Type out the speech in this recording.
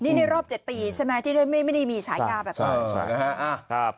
นี่ในรอบ๗ปีใช่ไหมที่ไม่ได้มีฉายาแบบนี้